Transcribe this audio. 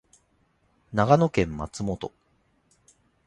長野県松本